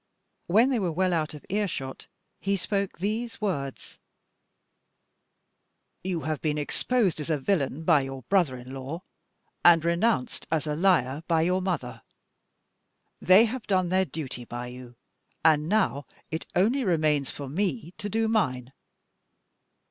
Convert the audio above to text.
When they were well out of ear shot, he spoke these words: "You have been exposed as a villain by your brother in law, and renounced as a liar by your mother. They have done their duty by you, and now it only remains for me to do mine.